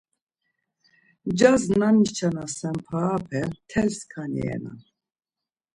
Ncas na niçanasen parape mtel skani renan.